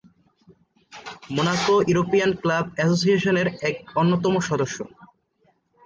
Monaco European club অ্যাসোসিয়েশনের এক অন্যতম সদস্য।